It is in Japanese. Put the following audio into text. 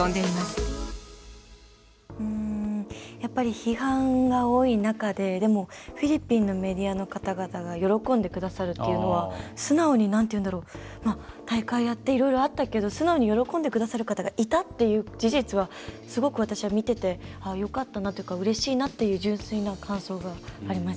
批判が多い中ででも、フィリピンのメディアの方々が喜んでくださるっていうのは素直に大会やっていろいろあったけど素直に喜んでくださる方がいたっていう事実はすごく私は見ててよかったなというかうれしいなという純粋な感想があります。